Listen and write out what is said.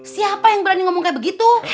siapa yang berani ngomong kayak begitu